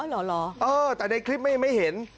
เหรอเออแต่ในคลิปไม่เห็น